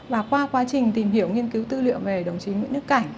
và qua quá trình tìm hiểu nghiên cứu tư liệu về đồng chí nguyễn đức cảnh